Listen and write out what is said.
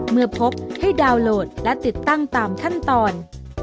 เมื่อพบให้ดาวน์โหลดและติดตั้งตามขั้นตอน